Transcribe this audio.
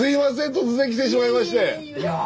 突然来てしまいまして。